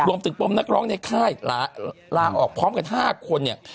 ปมนักร้องในค่ายลาออกพร้อมกัน๕คนเนี่ย